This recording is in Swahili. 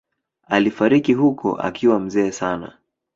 Alifariki huko akiwa mzee sana.